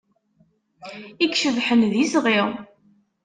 I icebḥen, d isɣi.